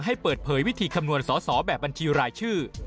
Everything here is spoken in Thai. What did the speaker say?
ให้เปิดเผยวิธีคำนวณสอสอแบบบัญชีรายชื่อ